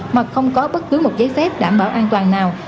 mà không có bất cứ một giấy phép đảm bảo an toàn nào